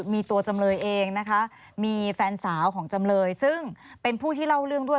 มีตัวจำเลยเองนะคะมีแฟนสาวของจำเลยซึ่งเป็นผู้ที่เล่าเรื่องด้วย